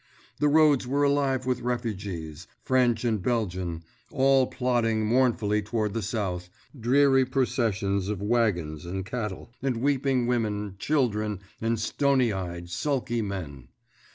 The roads were alive with refugees, French and Belgian, all plodding mournfully toward the south, dreary processions of wagons and cattle and weeping women, children, and stony eyed, sulky men.